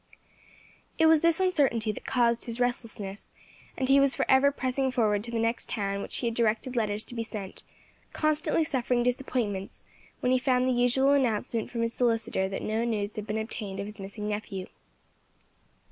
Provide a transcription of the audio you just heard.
It was this uncertainty that caused his restlessness, and he was for ever pressing forward to the next town to which he had directed letters to be sent, constantly suffering disappointments when he found the usual announcement from his solicitor that no news had been obtained of his missing nephew.